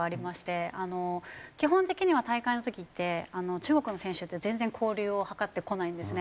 基本的には大会の時って中国の選手って全然交流を図ってこないんですね。